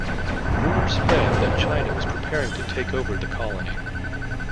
Rumors spread that China was preparing to take over the colony.